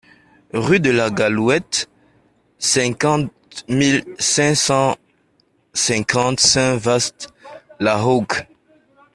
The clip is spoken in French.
Rue de la Gallouette, cinquante mille cinq cent cinquante Saint-Vaast-la-Hougue